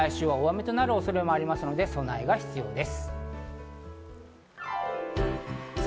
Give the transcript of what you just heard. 来週は大雨となる恐れもあるので備えが必要です。